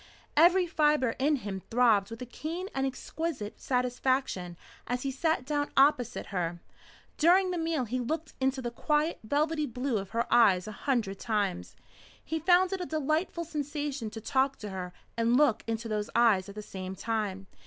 Every fibre in him throbbed with a keen and exquisite satisfaction as he sat down opposite her. During the meal he looked into the quiet, velvety blue of her eyes a hundred times. He found it a delightful sensation to talk to her and look into those eyes at the same time.